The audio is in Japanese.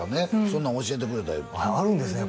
そんなん教えてくれたいうてあるんですね